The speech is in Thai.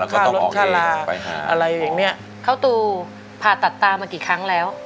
ค่ารถค่าลาไปหาอะไรอย่างเงี้ยเข้าตูผ่าตัดตามากี่ครั้งแล้ว